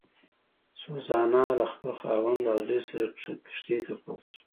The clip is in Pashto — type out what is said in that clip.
سوزانا له خپل خاوند او زوی سره کښتۍ ته پورته شول.